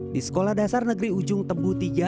di sekolah dasar negeri ujung tembu iii